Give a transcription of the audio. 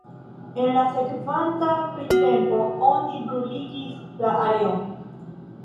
En la sekvanta printempo oni bruligis la areon.